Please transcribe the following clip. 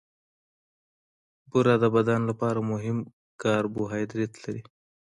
بوره د بدن لپاره مهم کاربوهایډریټ لري.